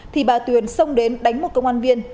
thì bà tuyền xông đến đánh một công an viên